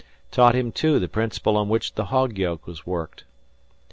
Taught him, too, the principle on which the "hog yoke" was worked.